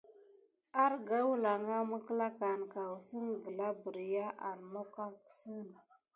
Arga wəlanga mekklakan ka kəssengen gla berya an moka si.